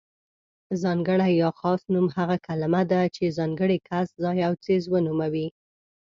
ځانګړی يا خاص نوم هغه کلمه ده چې ځانګړی کس، ځای او څیز ونوموي.